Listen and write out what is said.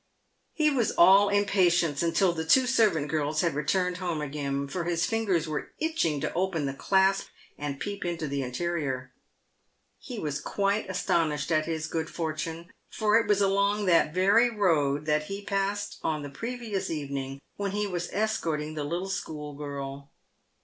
He was all impatience until the two servant girls had re turned home again, for his fingers were itching to open the clasp and peep into the interior. He was quite astonished at his good fortune, for it was along that very road that he had passed on the previous evening when he was escorting the little school girl.